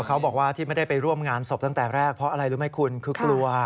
เขาบอกว่าที่ไม่ได้ไปร่วมงานศพตั้งแต่แรกเพราะอะไรรู้ไหมคุณคือกลัว